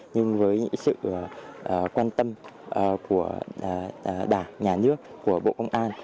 nhưng với sự quan tâm của đảng nhà nước bộ công an